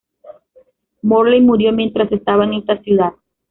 Morley murió mientras estaba en esta ciudad.